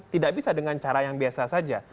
tidak bisa dengan cara yang biasa saja